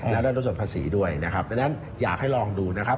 และได้ลดหนภาษีด้วยนะครับดังนั้นอยากให้ลองดูนะครับ